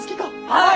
はい！